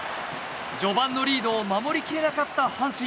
序盤のリードを守り切れなかった阪神。